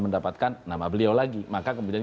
mendapatkan nama beliau lagi maka kemudian